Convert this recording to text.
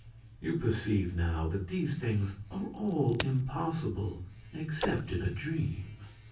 "You perceive, now, that these things are all impossible except in a dream.